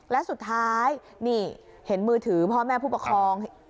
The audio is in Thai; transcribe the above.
และสุดท้ายนี่เห็นมือถือพ่อแม่ผู้ปกครอง